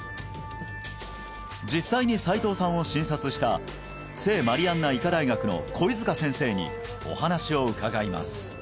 実際に斉藤さんを診察した聖マリアンナ医科大学の肥塚先生にお話を伺います